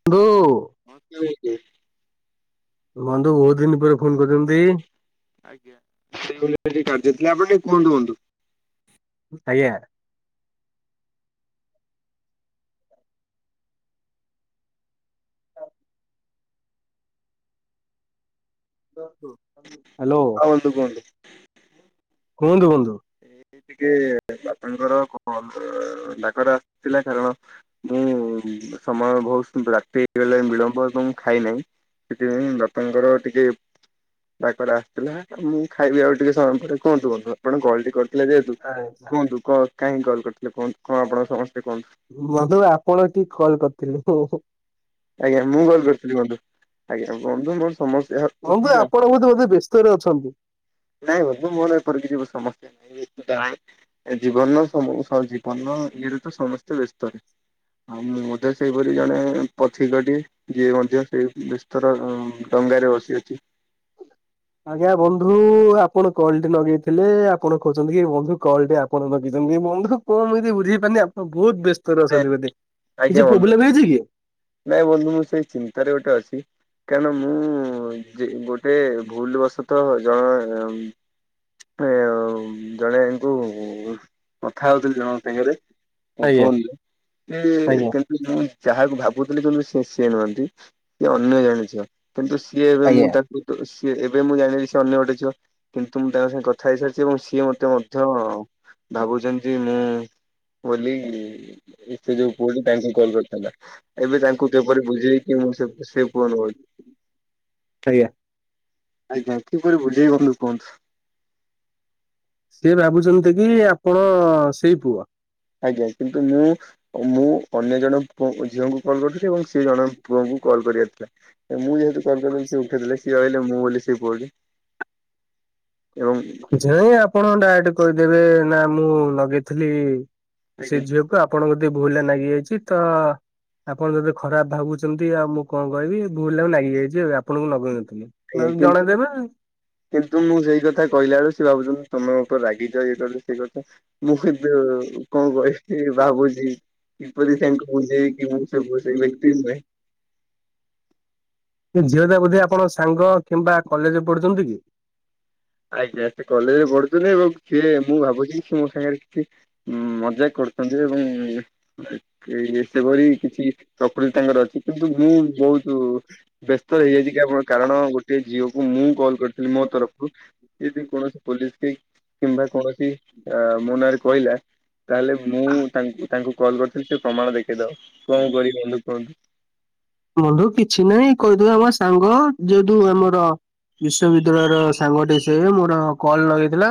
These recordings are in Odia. ଢୋ [unintelligible] ବନ୍ଧୁ ବହୁତ ଦିନ ପରେ ଫୋନ କରିଛନ୍ତି? ଆଜ୍ଞା। ସେଇଭଳିଆ ଟିକେ କାର୍ଯ୍ୟ ଥିଲା ଆପଣ ଟିକେ କୁହନ୍ତୁ କୁହନ୍ତୁ? ଆଜ୍ଞା। ହ୍ୟାଲୋ। ଦୁଇ। କୁହନ୍ତୁ ବନ୍ଧୁ। ଏ ଟିକେ ବାପାଙ୍କର ଡାକରା ଆସିଥିଲା କାରଣ। ମୁଁ ସମୟ ବହୁତ ରାତି ହେଇଗଲେ ବିଳମ୍ବ ଏବଂ ଖାଇନାହିଁ। ସେଥିପାଇଁ ଦପାଙ୍କର ଟିକେ ଡାକରା ଆସିଥିଲା ମୁଁ ଖାଇବି ଆଉ ଟିକେ ସମୟ ପରେ। କୁହନ୍ତୁ କୁହନ୍ତୁ ଆପଣ କଲଟି କରିଥିଲେ ଯେହେତୁ କୁହନ୍ତୁ? କ କାହିଁକି କଲ୍ କରିଥିଲେ କୁହନ୍ତୁ କଣ ଆପଣଙ୍କ ସମସ୍ୟା କୁହନ୍ତୁ? ବନ୍ଧୁ ଆପଣ ଏଠିକି କଲ୍ କରିଥିଲେ। ଆଜ୍ଞା ମୁଁ କଲ କରିଥିଲି ବନ୍ଧୁ ଆଜ୍ଞା ବନ୍ଧୁୁ। ହଁ ଯେ ଆପଣ ବୋଧେ ବ୍ୟସ୍ତରେ ଅଛନ୍ତି। ନାଇଁ ବନ୍ଧୁ ମୋର ଏପରି କିଛି ସମସ୍ୟା ନାହିଁ ଏଇ ଜୀବନର ସବୁ ସରିଛି। ପନ ଇଏରେ ତ ସମସ୍ତେ ବ୍ୟସ୍ତରେ ଆଉଁ ବୋଧେ ସେହିପରି ଜଣେ ପଥିକଟି। ଯିଏ ମଧ୍ୟ ସେଇ ବେସ୍ତର ଡଙ୍ଗାରେ ବସିଅଛି। ଆଜ୍ଞା ବନ୍ଧୁ ଆପଣ କଲଟି ଲଗେଇଥିଲେ ଆପଣ କହୁଛନ୍ତି କି ବନ୍ଧୁ କଲଟି ଆ କଣ ରଖିଛନ୍ତି ବନ୍ଧୁ କଣ ମୁଁ ବଝି ପାରୁନି ଆପଣ ବହୁତ ବେ ବେସ୍ତରେ ଅଛନ୍ତି ଆଜ୍ଞା କିଛି ବନ୍ଧୁ ପ୍ରୋବ୍ଲେମ ହେଇଛି କି? ନାଇଁ ବନ୍ଧୁ ମୁଁ ସେଇ ଚିନ୍ତାରେ ଗୋଟେ ଅଛି। କାହିଁ ନା ମୁଁ ଯେ ଗୋଟେ ଭୁଲବଶତଃ ଜଣେ ଏ ଜଣେଙ୍କୁ କଥା ହଉଥିଲି ଜଣଙ୍କ ସାଙ୍ଗରେ। ଆଜ୍ଞା [inaudible] ସେ ଆଜ୍ଞା କିନ୍ତୁ ମୁଁ ଯାହାକୁ ଭାବୁଥିଲି କିନ୍ତୁ ସେ ସିଏ ନୁହନ୍ତି। ସିଏ ଅନ୍ୟ ଜାଣିଛ କିନ୍ତୁ ସିଏ ଏବେ ମୁଁ ତାଙ୍କୁ ସିଏ ଏବେ ମୁଁ ଜାଣିବି ସିଏ ଅନ୍ୟ ଗୋଟେ ଝିଅ। କିନ୍ତୁ ମୁଁ ତାଙ୍କ ସାଙ୍ଗେ କଥା ହେଇସାରିଛି ଏବଂ ସିଏ ମତେ ମଧ୍ୟ ଭାବୁଛନ୍ତି ଯେ ମୁଁ ବୋଲି। ସେ ଯୋଉ ପୁଅ ତାଙ୍କୁ କଲ୍ କରିଥିଲା ଏବେ ତାଙ୍କୁ କେପରି ବୁଝେଇବି ମୁଁ ସେ ପୁଅ ନୁହଁ। ଆଜ୍ଞା। ଆଜ୍ଞା। ଆଜ୍ଞା କିପରି ବୁଝେଇବି କୁହନ୍ତୁ? ସେଏ ଭାବୁଛନ୍ତି କି ଆପଣ ସେଇ ପୁଅ। ଆଜ୍ଞା କିନ୍ତୁ ମୁଁ ମୁଁ ଅନ୍ୟ ଜଣେ ପୁଅ ଝିଅଙ୍କୁ କଲ୍ କରୁଥିଲି ଏବଂ ସେ ଜଣେ ପୁଅଙ୍କୁ କଲ୍ କରିବାର ଥିଲା। ମୁଁ ଯେହେତୁ କଲ୍ କରିଦେଲି ସିଏ ଉଠେଇଦେଲେ ସିଏ ଭାବିଲେ ମୁଁ ବୋଲି ସିଏ ପୁଅଟି। ଏବଂ ହଁ ଯାଇ ଆପଣ ଡାଇରେକ୍ଟ କହିଦେବେ ନା ମୁଁ ଲଗେଇଥିଲି। ଆଜ୍ଞା ସେ ଝିଅକୁ ଆପଣଙ୍କୁ ଯଦି ଭୁଲ ଲାଗି ଯାଇଛି ତ ଆପଣ ଯଦି ଖରାପ ଭାବୁଛନ୍ତି ଆଉ ମୁଁ କଣ କହିବି ଭୁଲ ଲାଗ ଲାଗି ଯାଇଛି ଆପଣଙ୍କୁ ଲଗେଇନଥିଲି। ଆଜ୍ଞା ନହେଲେ କିନ୍ତୁ ଜଣେଇଦେବେ। କିନ୍ତୁ ମୁଁ ସେଇ କଥା କହିଲା ବେଳେ ସେ ଭାବୁଛନ୍ତି ତମ ମୋ ଉପରେ ରାଗିଛ ଇଏ କରିଛ ସେ କରିଛ। ମୁଁ କେତେ କଣ କହିବି ଭାବୁଛି? କିପରି ତାଙ୍କୁ ମୁଁ ବୁଝେଇବି ସେ ସେ ବ୍ୟକ୍ତି ନୁହେଁ। ଝିଅଟା ବୋଧେ ଆପଣଙ୍କ ସାଙ୍ଗ କିମ୍ବା କଲେଜରେ ପଢୁଛନ୍ତି କି? ଆଜ୍ଞା ସେ କଲେଜରେ ପଢୁଛନ୍ତି ଏବଂ ସିଏ ମୁଁ ଭାବୁଛି ସେ ମୋ ସାଙ୍ଗରେ କିଛି ଉ ମଜାକ କରୁଛନ୍ତି ଏବଂ ସେଭଳି କିଛି ଚକୁଲି ତାଙ୍କର ଅଛି କିନ୍ତୁ ମୁଁ ବହୁତ ବ୍ୟସ୍ତ ହେଇଯାଇଛି କି ଆପଣ କାରଣ ଗୋଟେ ଝିଅ କୁ ମୁଁ କଲ୍ କରିଥିଲି ମୋ ତରଫରୁ ଯଦି କୌଣସି ପୋଲିସ କି କିମ୍ବା କୌଣସି ଅ ମୋ ନାରେ କହିଲା? ତାହେଲେ ମୁଁ ତାଙ୍କୁ ତାଙ୍କୁ କଲ୍ କରିଥିଲି ସେ ପ୍ରମାଣ ଦେଖେଇଦବ କଣ କରିବି ବନ୍ଧୁ କୁହନ୍ତୁ? ବନ୍ଧୁ କିଛି ନାହିଁ କହିଦଉ ଆମ ସାଙ୍ଗ ଯେହେତୁ ଆମର ବିଶ୍ଵବିଦ୍ୟାଳୟର ସାଙ୍ଗଟେ ସେ ମୋର କଲ ଲଗେଇଥିଲା।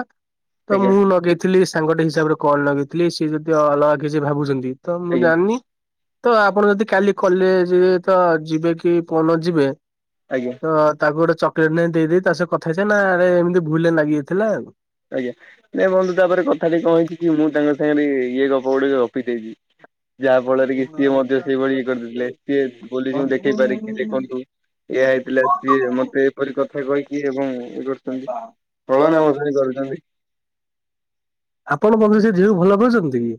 ତ ଆଜ୍ଞା ମୁଁ ଲଗେଇଥିଲି ସାଙ୍ଗଟେ ହିସାବରେ କଲ ଲଗେଇଥିଲି ସିଏ ଯଦି ଅଲଗା କିଛି ଭାବୁଛନ୍ତି। ତ ମୁଁ ଆଜ୍ଞା ଜାଣିନି ତ ଆପଣ ଯଦି କାଲି କଲେଜ ତ ଯିବେ କି ପରଦିନ ଯିବେ ଆଜ୍ଞା। ତ ତାକୁ ଗୋଟେ ଚକୋଲେଟ ନେଇ ଦେଇ ତା ସହ କଥା ହେଇଛି ନା ଆ ରେ ଏମିତି ଭୁଲରେ ଲଗିଯାଇଥିଲା। ଆଜ୍ଞା। ନାଇଁ ବନ୍ଧୁ ତାପରେ କଥାଟି କଣ ହେଇଛି କି ମୁଁ ତାଙ୍କ ସାଙ୍ଗରେ ଇଏ ଗପଗୁଡିକ ଗପିଦେଇଛିି। ଯାହା ଫଳରେ କି ସିଏ ମଧ୍ୟ ସେଇଭଳି ଇଏ କରିଦେଇଥିଲେ ସିଏ ପୋଲିସଙ୍କୁ ଦେଖେଇ ପାରିକି ଆଉ। ଦେଖନ୍ତୁ ଏଇଆ ହେଇଥିଲା କି ମତେ ଏପରି କଥା କହିକି ଏବଂ ଇଏ କରିଛନ୍ତି। ପ୍ରଳନ ମଜ କରିୁଛନ୍ତି [unintelligible] ଆପଣ [unintelligible] ସେ ଝିଅକୁ ଭଲ ପାଛନ୍ତି କି?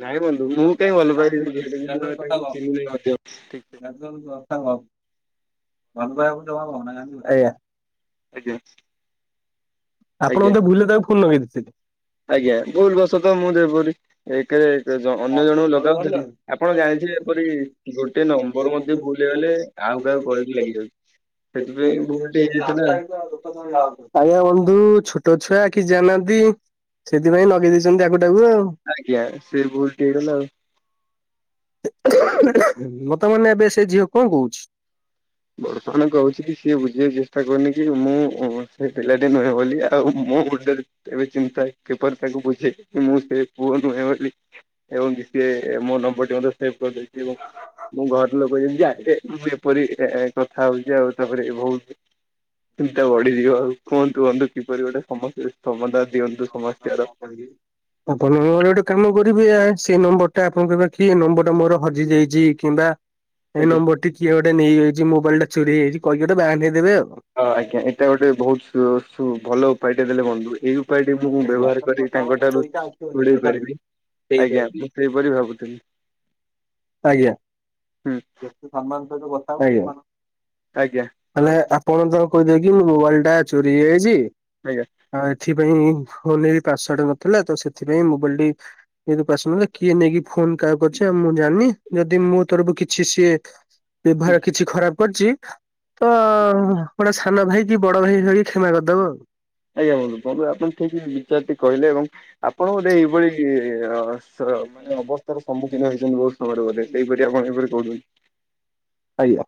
ନାଇଁ ବନ୍ଧୁ ମୁଁ କାଇହିଁ ଭଲ ପାଇବି ସେ ଆଜ୍ଞା ଝିଅ [unintelligible] ସାଙ୍ଗ ଭଲ ଜମା ଭଉନା କା [inaudible] ଆଜ୍ଞା। ଆପଣ ଆଜ୍ଞା ତାକୁ ଭୁଲରେ ତାକୁ ଫୁନୀ ଲଗେଇଦେଇଥିଲେ? ଆଜ୍ଞା ଭୁଲ ବସ ତ ମୁଁ ଯେପରି ଏକରେ ଅନ୍ୟ ଜଣଙ୍କୁ ଲଗାଉଥିଲି ଆପଣ ଜାଣିଥିବେ ଏପରି ଗୋଟେ ନମ୍ବର ମଧ୍ୟ ଭୁଲ ହେଇଗଲେ ଆଉ କାହାକୁ କଲ୍ ଟି ଲାଗିଯାଉଛି ସେଥିପାଇଁ ଭୁଲ୍ ଟି ହେଇଗଲା ନା। ଆଜ୍ଞା ବନ୍ଧୁ, ଛୋଟ ଛୁଆ କିଛି ଜାଣିନାହାନ୍ତି? ସେଥିପାଇଁ ଲଗେଇ ଦେଇେଇଛନ୍ତି ଆକୁ ତାକୁ ଆଉ। ଆଜ୍ଞା, ସେ ଭୁଲ୍ ଟି ହେଇଗଲା ଆଉ। ମତେ ମାନେ ଏବେ ସେ ଝିଅ କଣ କହୁଛି? ବର୍ତ୍ତମାନ କହୁଛି କି ସିଏ ବୁଝିବାକୁ ଚେଷ୍ଟା କରୁନି କି ମୁଁ ସେ ପିଲାଟି ନୁହେଁ ବୋଲି ଆଉ ମୁଁ ଗୋଟେ ଏବେ ଚିନ୍ତା କିପରି ତାକୁ ବୁଝେ ମୁଁ ସେ ପୁଅ ନୁହେଁ ବୋଲି ଏବଂ ସିଏ ମୋ ନମ୍ବର ଟି ମଧ୍ୟ ସେଭ କରିଦେଇଛି। ମୋ ଘର ଲୋକ ଜାଣିବେ ମୁଁ ଏପରି ଏ କଥା ହଉଛି ଆଉ ତାପରେ ବହୁତ ଚିନ୍ତା ବଢିଯିବ ଆଉ କୁହନ୍ତୁ ବନ୍ଧୁ କିପରି ଗୋଟେ ସମାସ୍ୟ ର ସମାଧନ ଦିଅନ୍ତୁ ସମସ୍ୟାର। ଆପଣ ନହେଲେ ଗୋଟେ କାମ କରିବେ ଏଆ ସେ ନମ୍ବର ଟା ଆପଣ କହିବେ କି ଏ ନମ୍ବର ଟା ମୋର ହଜିଯାଇଛି କିମ୍ବା ଏଇ ଆଜ୍ଞା ନମ୍ବର ଟି କିଏ ଗୋଟେ ନେଇଯାଇଛି ମୋବାଇଲ ଟା ଚୋରି ହେଇଛି କହିକି ଗୋଟେ ବାରେଇଦେବେ ଆଉ। ହଁ, ଆଜ୍ଞା ଏଇଟା ଗୋଟେ ବହୁତ ସୁ ଶୁ ଭଲ ଉପାୟଟେ ଦେଲେ ବନ୍ଧୁ ଏଇ ଉପାୟଟିକୁ ମୁଁ ଆଜ୍ଞା। ଆଜ୍ଞା ବ୍ୟବହାର କରି ତାଙ୍କ ଠାରୁ ଦୁରେଇ ପାରିବି ଆଜ୍ଞା ମୁଁ। ସେଇପରି ଭାବୁଥିଲି। ଆଜ୍ଞା। ହୁଁ। ସମ୍ମାନ ସହିତ କଥା ହେବେ ଆଜ୍ଞା। ଆଜ୍ଞା। ତାହେଲେ ଆପଣ ତାକୁ କହିଦେବେ କି ମୋ ମୋବାଇଲ ଟା ଚୋରି ହେଇଯାଇଛି। ଆଜ୍ଞା। ଆଉ ଏଥିପାଇଁ ଫୋନ୍ ରେ ବି ପାଶୱାର୍ଡ ନଥିଲା ତ ସେଥିପାଇଁ ମୋବାଇଲ ଟି ଇସନ କିଏ ନେଇକି ଫୋନ କାହା କୁ କରିଛି ମୁଁ ଜାଣିନି ଯଦି ମୁଁ ତରକୁ କି [inaudible] କିଛି ସିଏ ବ୍ୟବହାର କିଛି ଖରାପ କରିଛି ତ ଗୋଟେ ସାନ ଭାଇ କି ବଡ ଭାଇ ଭାବି କ୍ଷମା କରିଦେବ। ଆଜ୍ଞା ବନ୍ଧୁ, ବନ୍ଧୁ ଆପଣ ଠିକ ବିଚାର ଟି କହିଲେ ଏବଂ ଆପଣ ବୋଧେ ଏଇଭଳି ମାନେ ଅବସ୍ଥାର ସମ୍ମୁଖୀନ ହେଇଛନ୍ତି ବହୁତ ସମୟରେ ବୋଧେ? ସେହିପରି ଆପଣ ଏପରି କହୁଛନ୍ତି। ଆଜ୍ଞା।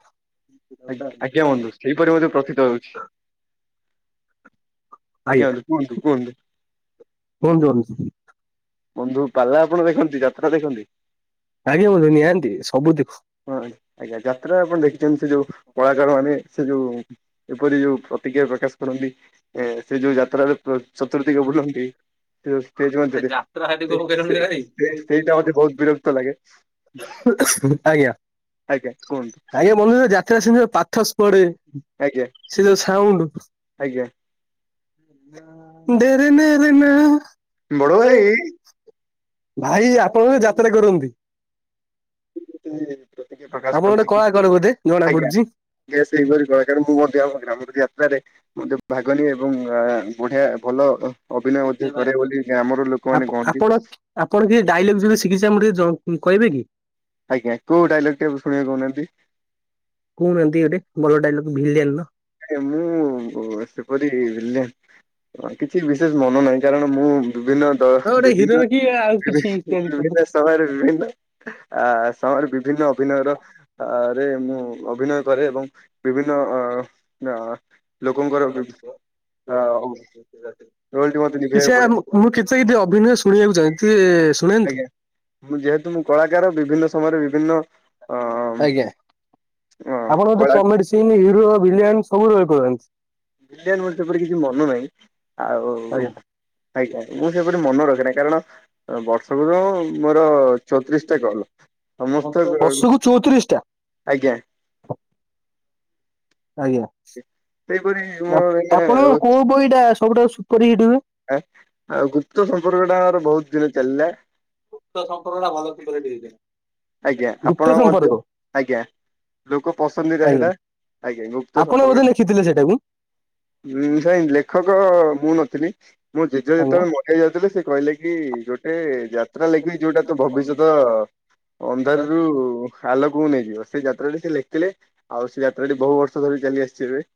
ଆଜ୍ଞା ବନ୍ଧୁ ସେଇପରି ସେହିପରି ମୁଁ ପ୍ରତିତ ହଉଛି। ଆଜ୍ଞା ବନ୍ଧୁ, କୁହନ୍ତୁ କୁହନ୍ତୁ କୁହନ୍ତୁ ବନ୍ଧୁ? ବନ୍ଧୁ ପାଲା ଆପଣ ଦେଖନ୍ତି? ଯାତ୍ରା ଦେଖନ୍ତି? ଆଜ୍ଞା ବନ୍ଧୁ ନିହାତି ସବୁ ଦେଖୁ। ହଁ, ଆଜ୍ଞା ଯାତ୍ରା ଆପଣ ଦେଖିଛନ୍ତି ସେ ଯୋଉ କଳାକାର ମାନେ ସେ ଯୋଉ ଏପରି ଯୋଉ ପ୍ରତିକ୍ରିୟା ପ୍ରକାଶ କରନ୍ତି ଏ ସେ ଯୋଉ ଯାତ୍ରାରେ ଚତୁଦିଗ ବୁଲନ୍ତି। ସେ ସେଷ୍ଟେଜ ମଧ୍ୟ ରେ ସେ ସେଇଟା ମୋତ ବହୁତ ବିରକ୍ତ ଲାଗେ। ଆଜ୍ଞା ଆଜ୍ଞା କୁହନ୍ତୁ। ଆଜ୍ଞା ବନ୍ଧୁ ଯାତ୍ରା ସେ ପର୍ଥାସ ପଡ଼େ। ଆଜ୍ଞା। ସେ ଯୋଉ ସାଉଣ୍ଡୁ। ଆଜ୍ଞା। ଡେରେ ନେରେ ନା ବଡ ଭାଇ ଭାଇ, ଆପଣ ବୋଧେ ଯାତ୍ରା କରନ୍ତି? [unintelligible] ପ୍ରକାଶ ଆପଣ ଗୋଟେ କଳାକାର ବୋଧେ ଜଣା ପଡୁଛି? ଗେସ୍ ହେଇକରି କହେ, କାରଣ ମୁଁ ମଧ୍ଯ ଗ୍ରାମର ଯାତ୍ରାରେ ମଧ୍ୟ ଭାଗ ନିଏ ଏବଂ ଆଁ ବଢିଆ ଭଲ ଅଭିନୟ ମଧ୍ୟ କରେ ବୋଲି, ଗ୍ରାମର ଆପ ଲୋକମାନେ କହନ୍ତି। ଆପଣ ଆପଣ କିଏ ଡାଇଲଗ ଯଦି ଶିଖିଛି ଆମକୁ ଟିକେ ଜ କହିବେ କି? ଆଜ୍ଞା। କୋଉ ଡାଇଲଗଟିଏ ଶୁଣିବେ କହୁନାହାଁନ୍ତି? କହୁନାହାଁନ୍ତି ଗୋଟେ, ଭଲ ଡାଇଲଗ ଭିଲିଆନର। ଆଏ ମୁଁ ସେପରି ଭିଲିଆନ ହ କିଛି ବିଶେଷ ମନ ନାହିଁ। କାରଣ ମୁଁ ବିଭିନ୍ନ ଦ ହଁ ଗୋଟେ ହିରୋର ବିଭିନ୍ନ କି ଆଉ କିଛି ଇତ୍ୟାଦି ବିଭି-ବିଭିନ୍ନ ସମୟରେ ବିଭିନ୍ନ ଆ ସମୟରେ ବିଭିନ୍ନ ଅଭିନୟର ଆ ରେ ମୁଁ ଅଭିନୟ କରେ ଏବଂ ବିଭିନ୍ନ ଅ ନା, ଲୋକଙ୍କର ବି ଜର [unintelligible] ମତେ ନିଭେଇବାକୁ ସେୟା ପଡେ ମୁଁ-ମୁଁ କିଛି କି ଟିକେ ଅଭିନୟ ଶୁଣିବାକୁ ଚାହେଁ, ତେବେ ଶୁଣାନ୍ତୁ? ଆଜ୍ଞା। ମୁଁ ଯେହେତୁ ମୁଁ କଳାକାର, ବିଭିନ୍ନ ସମୟରେ ବିଭିନ୍ନ ଅ ଆଜ୍ଞା। ଆପଣଙ୍କର ଯୋଉ କଳା comedy scene, hero, villain ସବୁ ରୋଲ୍ କରନ୍ତି। ଭିଲିଆନ୍ ଭଳି ମୋର ସେପରି କିଛି ମନ ନାହିଁ। ଆଉ ଆଜ୍ଞା ଆଜ୍ଞା ଆଜ୍ଞା। ମୁଁ ସେପରି ମନ ରଖେିନା କାରଣ ବର୍ଷ ସବୁର ମୋର ଚଉତିରିଶଟା କଲ୍। ସମସ୍ତେ ବର୍ଷକୁ ଚଉତିରିଶ ଟା ଆଜ୍ଞା। ଆଜ୍ଞା। ସେହିପରି ଆପ-ଆପଣଙ୍କ କୋଉ ବହିଟା ସବୁଠାରୁ ସୁପରହିଟ୍ ହୁଏ? ଆ-ଆଉ ଗୁପ୍ତ ସମ୍ପର୍କଟା ଆମର ବହୁତ ଦିନ ଚାଲିଲା ଗୁପ୍ତ ସମ୍ପର୍କଟା ଭଲ ସୁପରହିଟ୍ ହେଇଯାଏ। ଆଜ୍ଞା, ଆପଣଙ୍କର କଣ ଆଜ୍ଞା। ଲୋକ ପସନ୍ଦିତା ଆଜ୍ଞା। ସେଇଟା। ଆଜ୍ଞା, ଗୁପ୍ତ ଆପଣ ବୋଧେ ସମ୍ପର୍କଟା ଲେଖିଥିଲେ ସେଇଟାକୁ ହୁଁ, ସାଇ ଲେଖକ ମୁଁ ନଥିଲି, ମୋ ଜେଜେ ଆଜ୍ଞା ଆଜ୍ଞା। ଯେତେବେଳେ ମରି ବାକୁ ଯାଉଥିଲେ ସେ କହିଲେ କି, ଗୋଟେ ଯାତ୍ରା ଲେଖିବି ଯୋଉଟା ତୋ ଭବିଷ୍ୟତ ଅନ୍ଧାରରୁ ଅଲୋକକୁ ନେଇଯିବ। ସେଇ ଯାତ୍ରାଟି ସିଏ ଲେଖିଥିଲେ, ଆଉ ସେଇ ଯାତ୍ରାଟି ବହୁ ବର୍ଷ ଧରି ଚାଲି ଆସିଛି ଏବେ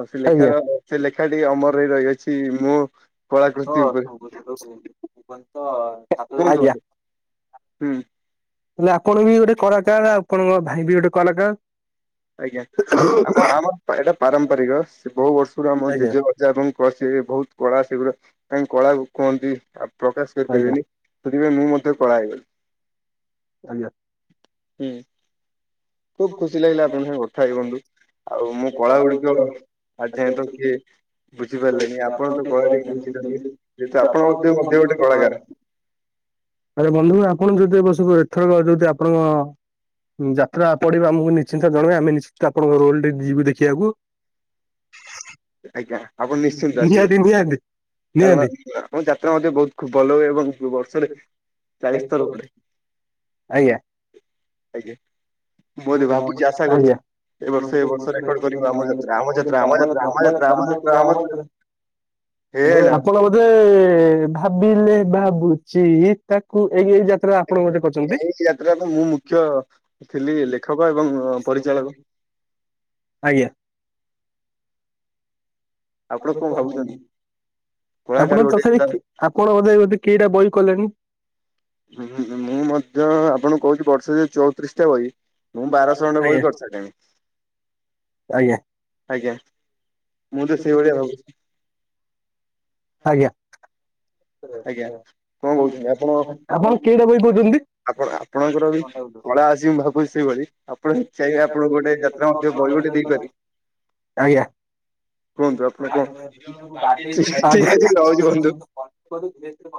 ଆଉ ସେ ଆଜ୍ଞା ଲେଖାର, ସେ ଲେଖାଟି ଅମର ହେଇ ରହି ଯାଇଛି ମୁଁ କୁହନ୍ତୁ ଆଜ୍ଞା। ବନ୍ଧୁ। ହୁଁ ତାହେଲେ ଆପଣ ବି ଗୋଟେ କଳାକାର, ଆଉ ଆପଣଙ୍କ ଭାଇ ବି ଗୋଟେ କଳାକାର। ଆଜ୍ଞା। ଆମ-ଆମ ଏଇଟା ପାରମ୍ପାରିକ। ସେ ବହୁ ବର୍ଷରୁ ଆମ ଆଜ୍ଞା ଜେଜ ପୂଜା ଏବଂ କସି ବହୁତ କଳା ସେଗୁରା କାହିଁକି କଳାକୁ କୁହନ୍ତି ଆଉ ପ୍ରକାଶ ଆଜ୍ଞା ଆଜ୍ଞା। କରିପାରିବେନି ସେଥିପାଇଁ ମୁଁ ମଧ୍ୟ କଳା ହେଇଗଲି। ଆଜ୍ଞା। ହୁଁ। ଖୁବ୍ ଖୁସି ଲାଗିଲା ଆପଣଙ୍କ ସାଙ୍ଗେ କଥା ହେଇ ବନ୍ଧୁ। ଆଉ ମୋ କଳାଗୁଡିକ ଆଜି ଯାଏଁ ତ କିଏ ବୁଝିପାରିଲେନି, ଆପଣ ତ କଳାରେ ଭିଜିଛନ୍ତି, ଯେହେତୁ ଆପଣ ମଧ୍ୟ ମଧ୍ୟ ଗୋଟେ କଳାକାର। ଆରେ ବନ୍ଧୁ, ଆପଣଙ୍କୁ ଯଦି ଏ ବର୍ଷ ଏଥରକ ଯଦି ଆପଣଙ୍କ ଯାତ୍ରା ପଡିବ ଆମକୁ ନିଶ୍ଚିନ୍ତ ଜଣାଇବେ, ଆମେ ନିଶ୍ଚିିତ ଆପଣଙ୍କ ରୋଲଟିଏ ଯିବୁ ଦେଖିଆକୁ। ଆଜ୍ଞା, ଆପଣ ନିଶ୍ଚିନ୍ତ ଆସିବେ। ନିହାତି ନିହାତି କାରଣ ନିହାତି ଆମ ଯାତ୍ରା ମଧ୍ୟ ବହୁତ ଖୁବ୍ ଭଲ ହୁଏ ଏବଂ ବର୍ଷରେ ଚାଳିଶ ଥର ପଡେ ଆଜ୍ଞା। ଆଜ୍ଞା। ମୁଁ ଭାବୁଛି ଆଶା କରୁଛି ଆଜ୍ଞା ଏ ବର୍ଷ ଏ ବର୍ଷ ରେକର୍ଡ କରିବ ଆମ ଯାତ୍ରା ଆମ ଯାତ୍ରା ଆମ ଯାତ୍ରା। ଆମ ଯାତ୍ରା ଆମ ଯାତ୍ରା ଆମ ଯାତ୍ରା ହେଇ ହେଇ ଆଇଲା। କଣ ବୋଧେ ଭାବିଲେ ଭାବୁଛି ତାକୁ ଏଇ ଯା ତ୍ରା ଆପଣ ଗୋଟେ କହୁଛନ୍ତି। ଏଟା ତ ମୁଁ ମୁଖ୍ୟ ଥିଲି ଲେଖକ ଏବଂ ପରିଚାଳକ। ଆଜ୍ଞା। ଆପଣ କଣ ଭାବୁଛନ୍ତି କଳାକାର ଆପଣ ଗୋଟେ ତାର ତଥାପି ଆପଣ ବୋଧେ କେଇଟା ବହି କଲେଣି? ହୁଁ ମୁଁ ମଧ୍ୟ ଆପଣଙ୍କୁ କହୁଛି ବର୍ଷ ଚଉତିରିଶ ବହି ମୁଁ ବାରଶ ଖଣ୍ଡେ ଆଜ୍ଞା ବହି କରି ସାରିଲିଣି। ଆଜ୍ଞା। ଆଜ୍ଞା ମୁଁ ତ ସେଇଭଳିଆ ଭାବୁଛି। ଆଜ୍ଞା ଆଜ୍ଞା କଣ କହୁଛନ୍ତି ଆପଣ ଆପଣ କେଟା ବହି କହୁଛନ୍ତି? ଆପଣ ଆପଣଙ୍କର ବି କଳା ଆସ ମୁଁ ଭାବୁଛି ସେଇଭଳି ଆପଣଛବେ ଆପଣ ଗୋଟେ ବଳିଡେ ଦେଇପାରି। ଆଜ୍ଞା କୁହନ୍ତୁ ଆପଣ କଣ ଠିକ ଅଛି ରହୁଛି ବନ୍ଧୁ। ଆଜ୍ଞା। [unintelligible]